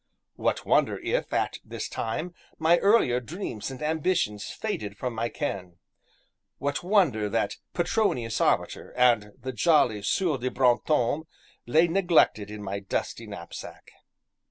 What wonder if, at this time, my earlier dreams and ambitions faded from my ken; what wonder that Petronius Arbiter, and the jolly Sieur de Brantome lay neglected in my dusty knapsack.